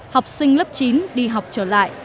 học sinh lớp chín đi học trở lại